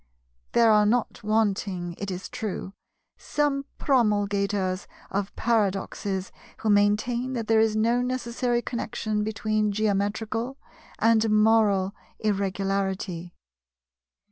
There are not wanting, it is true, some promulgators of paradoxes who maintain that there is no necessary connection between geometrical and moral Irregularity.